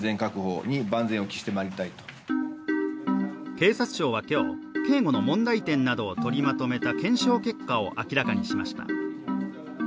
警察庁は今日、警護の問題点などを取りまとめた検証結果を明らかにしました。